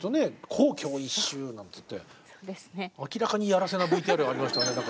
「皇居を一周」なんていって明らかにやらせなＶＴＲがありましたね。